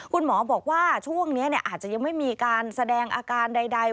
คุณหมอบอกว่าช่วงนี้อาจจะยังไม่มีการแสดงอาการใด